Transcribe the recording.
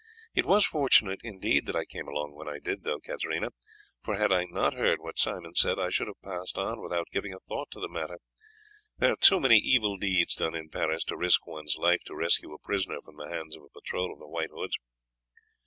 It was fortunate, indeed, that I came along when I did, Katarina, for had I not heard what Simon said I should have passed on without giving a thought to the matter. There are too many evil deeds done in Paris to risk one's life to rescue a prisoner from the hands of a patrol of the White Hoods."